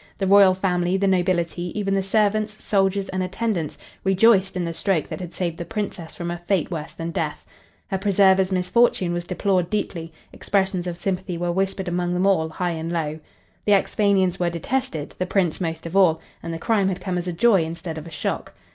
The royal family, the nobility, even the servants, soldiers and attendants, rejoiced in the stroke that had saved the Princess from a fate worse than death. Her preserver's misfortune was deplored deeply; expressions of sympathy were whispered among them all, high and low. The Axphainians were detested the Prince most of all and the crime had come as a joy instead of a shock.